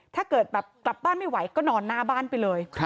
ถ้าเกิดแบบกลับบ้านไม่ไหวก็นอนหน้าบ้านไปเลย